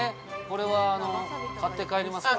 これは買って帰りますか？